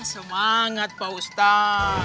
semangat pak ustaz